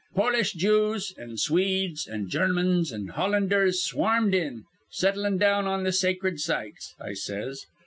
Polish Jews an' Swedes an' Germans an' Hollanders swarmed in, settlin' down on th' sacred sites,' I says.